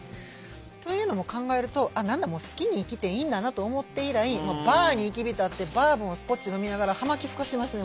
というのも考えると「何だもう好きに生きていいんだな」と思って以来バーに入り浸ってバーボンスコッチ飲みながら葉巻ふかしてますね